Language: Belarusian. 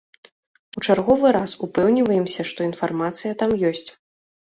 У чарговы раз упэўніваемся, што інфармацыя там ёсць.